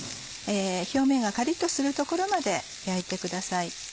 表面がカリっとするところまで焼いてください。